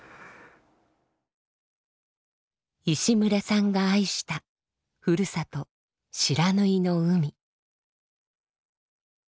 石牟礼さんが愛したふるさと不知火の海。